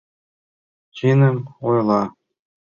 — Чыным ойла!